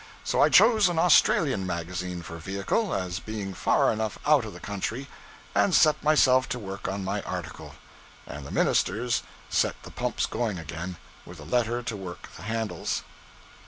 So I chose an Australian magazine for vehicle, as being far enough out of the country, and set myself to work on my article. And the ministers set the pumps going again, with the letter to work the handles.